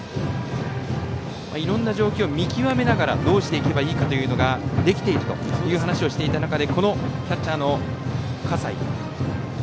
いろんな状況を見極めながらどうしていけばいいかというのができているという話をしていた中でキャッチャーの笠井。